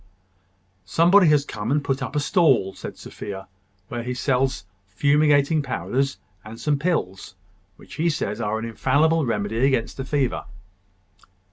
"Somebody has come and put up a stall," said Sophia, "where he sells fumigating powders, and some pills, which he says are an infallible remedy against the fever."